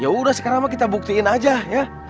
yaudah sekarang kita buktiin aja ya